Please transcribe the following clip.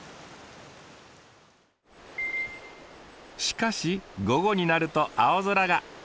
しかし午後になると青空が。